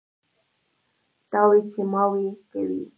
تاوې چې ماوې کوي.